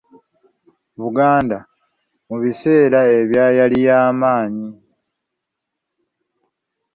Buganda, mu biseera ebya yali yamanyi.